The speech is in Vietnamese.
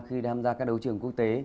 khi đam gia các đấu trường quốc tế